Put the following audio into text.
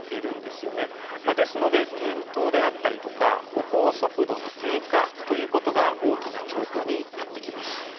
ですので転倒であったりとか歩行速度の低下ということが大きな兆候になってきます。